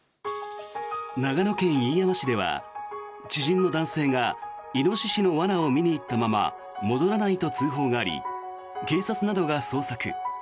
長野県飯山市では知人の男性がイノシシの罠を見に行ったまま戻らないと通報があり警察などが捜索。